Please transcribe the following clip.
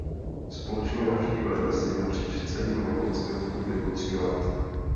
Společně navštívili lesy napříč celým Japonskem v průběhu tří let.